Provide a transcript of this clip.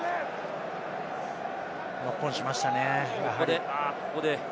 ノックオンしましたね。